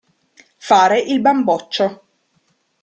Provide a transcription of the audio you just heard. Fare il bamboccio.